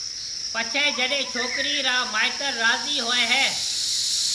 پڇيَ جڏَي ڇوڪرِي را مائيتر راضي ھوئيَ ھيَََ